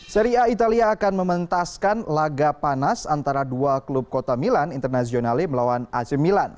seri a italia akan mementaskan laga panas antara dua klub kota milan internasionali melawan ac milan